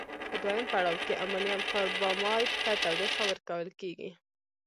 په دویم پړاو کې امونیم کاربامیت ته تودوخه ورکول کیږي.